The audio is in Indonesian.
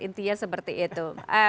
intinya seperti itu